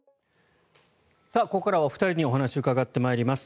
ここからはお二人にお話を伺います。